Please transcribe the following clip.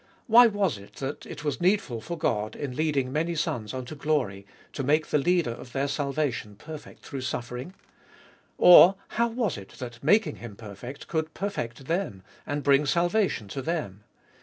Why was it that it was needful for God, in leading many sons unto glory, to make the Leader of their salvation perfect through suffering ? Or, how was it, that making Him perfect could perfect them, and bring salvation to them?